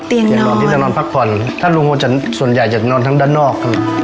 อยากนอนที่จะนอนพักผ่อนถ้าลุงพลส่วนใหญ่จะนอนทั้งด้านนอกครับ